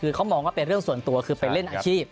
คือเขามองว่าเป็นเรื่องส่วนตัวคือไปเล่นอาชีพ